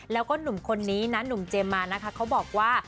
แล้วก็หนุ่มคนนี้นะหนุ่มเจมมานะคะเขาบอกว่า